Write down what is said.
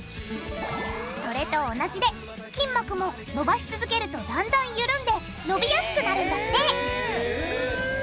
それと同じで筋膜ものばし続けるとだんだん緩んでのびやすくなるんだってへぇ。